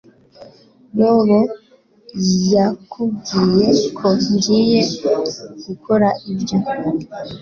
Bobo yakubwiye ko ngiye gukora ibyo